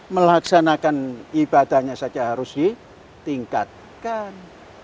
melaksanakan ibadahnya saja harus ditingkatkan